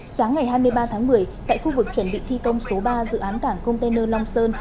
sáng ngày hai mươi ba tháng một mươi tại khu vực chuẩn bị thi công số ba dự án cảng container long sơn